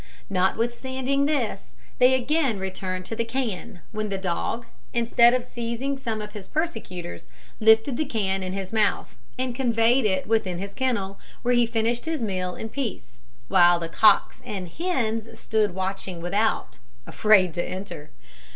Notwithstanding this they again returned to the can, when the dog, instead of seizing some of his persecutors, lifted the can in his mouth, and conveyed it within his kennel, where he finished his meal in peace, while the cocks and hens stood watching without, afraid to enter.